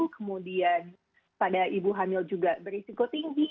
kemudian pada ibu hamil juga berisiko tinggi